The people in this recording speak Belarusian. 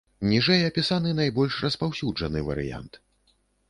Ніжэй апісаны найбольш распаўсюджаны варыянт.